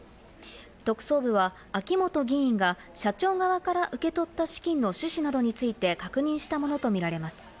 特捜部は秋本議員が社長側から受け取った資金の趣旨などについて確認したものと見られます。